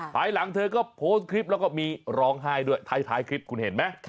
ภายหลังเธอก็โพสต์คลิปแล้วก็มีร้องไห้ด้วยท้ายคลิปคุณเห็นไหม